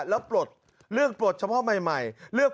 แล้วเลือกปลดเฉพาะใหม่